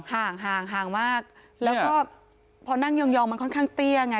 ห่างห่างมากแล้วก็พอนั่งยองมันค่อนข้างเตี้ยไง